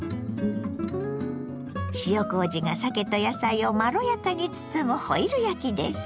塩こうじがさけと野菜をまろやかに包むホイル焼きです。